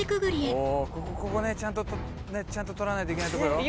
「ここねちゃんとねちゃんと撮らないといけないとこよ」